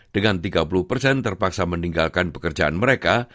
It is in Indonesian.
dengan tiga puluh persen terpaksa meninggalkan pekerjaan mereka